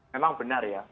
memang benar ya